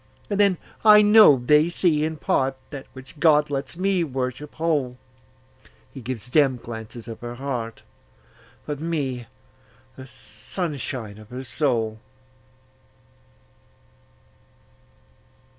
And then I know they see in partThat which God lets me worship whole:He gives them glances of her heart, But me, the sunshine of her soul.